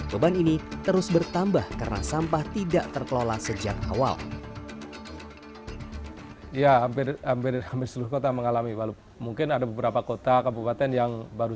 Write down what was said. beban ini terus bertambah karena sampah tidak terkelola sejak awal